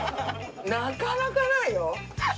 なかなかないよ。